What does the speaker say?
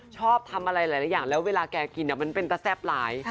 ชอบทำอะไรหลายอย่างแล้วเวลาแกกินมันเป็นตะแซ่บหลาย